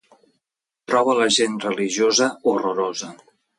Trobo a la gent religiosa horrorosa.